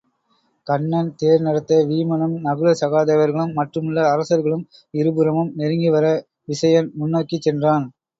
கண்ணன் தேர் நடத்த வீமனும் நகுல சகாதேவர்களும் மற்றுமுள்ள அரசர்களும் இருபுறமும் நெருங்கிவர விசயன் முன்னோக்கிச் சென்றான்.